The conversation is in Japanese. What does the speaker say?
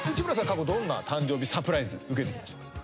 過去どんな誕生日サプライズ受けてきましたか？